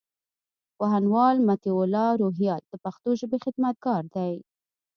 پوهنوال مطيع الله روهيال د پښتو ژبي خدمتګار دئ.